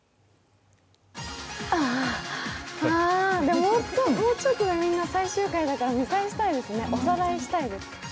もうちょっとでみんな最終回ですから見返したいですね、おさらいしたいです。